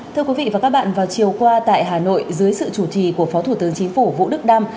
thưa quý vị và các bạn vào chiều qua tại hà nội dưới sự chủ trì của phó thủ tướng chính phủ vũ đức đam